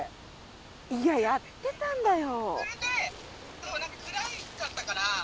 やってたんだよ。